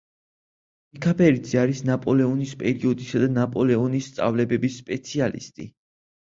მიქაბერიძე არის ნაპოლეონის პერიოდისა და ნაპოლეონის სწავლებების სპეციალისტი.